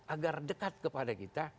agar dekat kepada kita